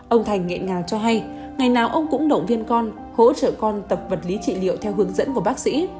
ông thành nghẹn ngào cho hay ngày nào ông cũng động viên con hỗ trợ con tập vật lý trị liệu theo hướng dẫn của bác sĩ